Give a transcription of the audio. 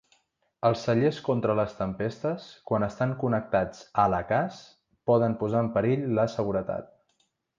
Els cellers contra les tempestes, quan estan connectats a la cas, poden posar en perill la seguretat.